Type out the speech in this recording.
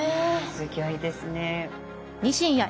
すギョいですね。